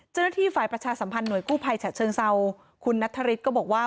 เจ้าหน้าที่ฝ่ายประชาสัมพันธ์ห่วยกู้ภัยฉะเชิงเซาคุณนัทธริสก็บอกว่า